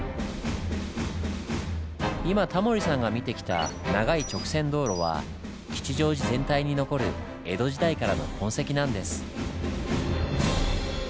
今タモリさんが見てきた長い直線道路は吉祥寺全体に残る江戸時代からの痕跡なんです。